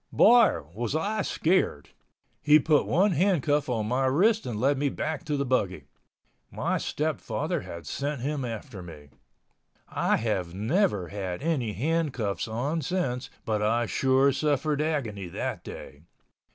Boy, was I scared! He put one handcuff on my wrist and led me back to the buggy. My stepfather had sent him after me. I have never had any handcuffs on since but I sure suffered agony that day.